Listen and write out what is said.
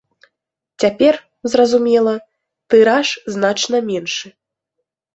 Цяпер, зразумела, тыраж значна меншы.